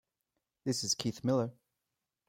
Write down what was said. This is Keith Miller.